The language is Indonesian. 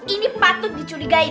ini patut diculikain